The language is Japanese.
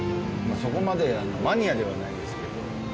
そこまでマニアではないですけど。